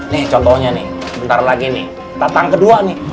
nih contohnya nih bentar lagi nih tatang kedua nih